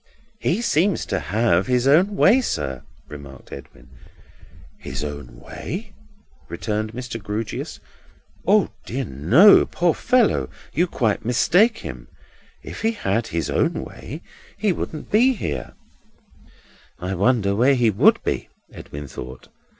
"He seems to have his own way, sir," remarked Edwin. "His own way?" returned Mr. Grewgious. "O dear no! Poor fellow, you quite mistake him. If he had his own way, he wouldn't be here." "I wonder where he would be!" Edwin thought.